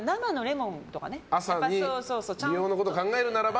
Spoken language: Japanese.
美容のことを考えるならば？